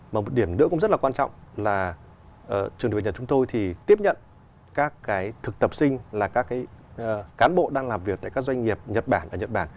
một điểm nữa cũng rất là quan trọng là trường đại nhật chúng tôi thì tiếp nhận các cái thực tập sinh là các cái cán bộ đang làm việc tại các doanh nghiệp nhật bản ở nhật bản